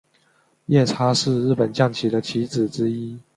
夜叉是日本将棋的棋子之一。